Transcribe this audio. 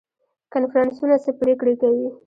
کنفرانسونه څه پریکړې کوي؟